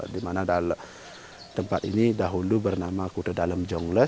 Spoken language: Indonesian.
di mana tempat ini dahulu bernama kota dalam jongles